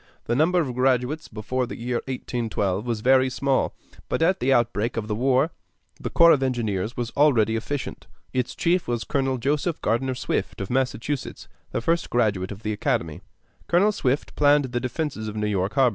The number of graduates before the year 1812 was very small; but at the outbreak of the war the corps of engineers was already efficient. Its chief was Colonel Joseph Gardner Swift, of Massachusetts, the first graduate of the academy: Colonel Swift planned the defenses of New York Harbor.